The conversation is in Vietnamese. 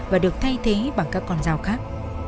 và được thay thế bằng các con dao khác